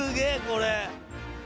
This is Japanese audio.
これ。